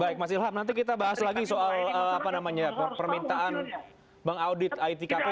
baik mas ilham nanti kita bahas lagi soal permintaan bang audit it kpu